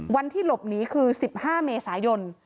วันที่หลบหนีคือ๑๕เมษายน